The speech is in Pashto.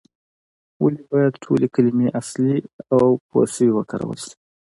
ولې باید ټولې کلمې اصلي او پورشوي وکارول شي؟